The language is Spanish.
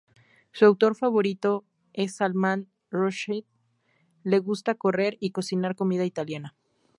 Su autor favorito es Salman Rushdie, le gusta correr y cocinar comida italiana.